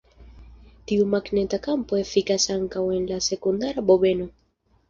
Tiu magneta kampo efikas ankaŭ en la sekundara bobeno.